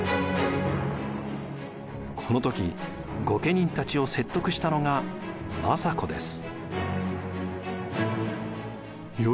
この時御家人たちを説得したのが政子です。